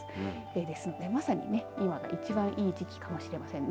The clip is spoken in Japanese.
ですので、まさに今が一番いい時期かもしれませんね。